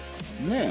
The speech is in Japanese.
ねえ。